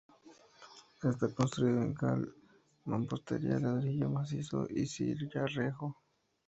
Está construido en cal, mampostería, ladrillo macizo y sillarejo.